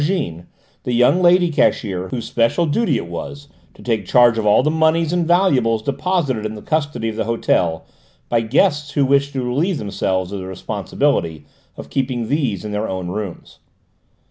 Jeanne the young lady cashier whose special duty it was to take charge of all the moneys and valuables deposited in the custody of the hotel by guests who wished to relieve themselves of the responsibility of keeping these in their own rooms.